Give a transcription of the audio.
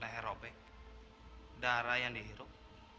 leher robek darah yang dihirup